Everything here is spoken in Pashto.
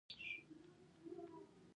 زیار ایستل مېوه ورکوي